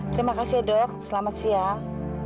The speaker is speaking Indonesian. terima kasih dok selamat siang